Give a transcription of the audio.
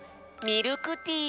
ミルクティー？